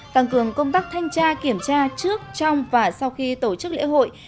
tăng cường công tác thanh tra kiểm tra trước trong và sau khi tổ chức lễ hội